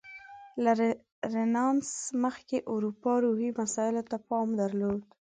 له رنسانس مخکې اروپا روحي مسایلو ته پام درلود.